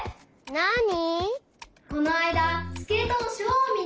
なに？